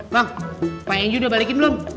bang pak enji udah balikin belum